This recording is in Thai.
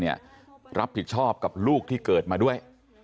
รับผิดชอบกับลูกที่เกิดมาด้วย